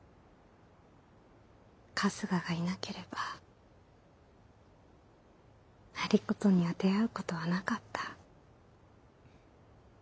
春日がいなければ有功には出会うことはなかった。